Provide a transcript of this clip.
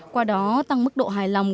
qua đó tăng mức độ hài lòng